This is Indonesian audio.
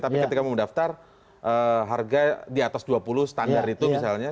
tapi ketika mau mendaftar harga di atas dua puluh standar itu misalnya